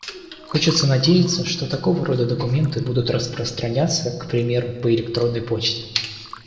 Хочется надеяться, что такого рода документы будут распространяться, к примеру, по электронной почте.